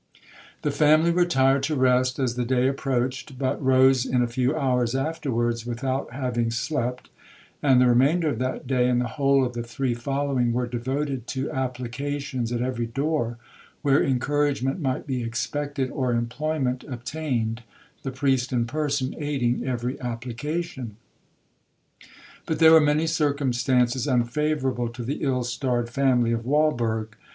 'The family retired to rest as the day approached, but rose in a few hours afterwards without having slept; and the remainder of that day, and the whole of the three following, were devoted to applications at every door where encouragement might be expected, or employment obtained, the priest in person aiding every application. But there were many circumstances unfavourable to the ill starred family of Walberg.